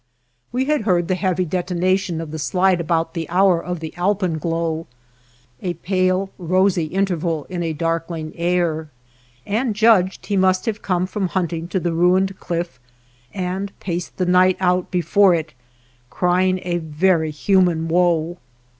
We had heard the heavy denotation of the slide about the hour of the alpenglow, a pale rosy interval in a darkling air, and judged he must have come from hunting 252 NURSLINGS OF THE SKY to the ruined cliff and paced the night out before it, crying a very human woe.